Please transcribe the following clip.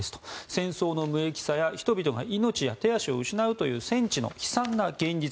戦争の無益さや人々が命や手足を失うという戦地の悲惨な現実